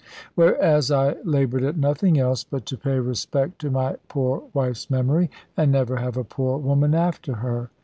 Whereas I laboured at nothing else but to pay respect to my poor wife's memory, and never have a poor woman after her.